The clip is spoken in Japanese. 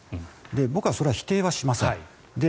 僕はそれは否定はしません。